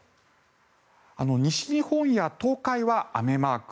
西日本や東海は雨マーク。